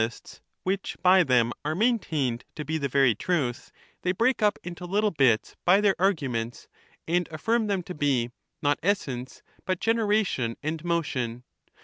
ists, which by them are maintained to be the very truth, they Stkamger, break up into little bits by their arguments, and aflBrm them theaet«tus. to be, not essence, but generation and motion.